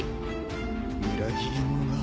裏切り者が。